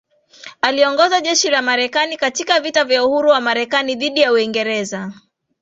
Aliongoza jeshi la Marekani katika vita ya uhuru wa Marekani dhidi ya Uingereza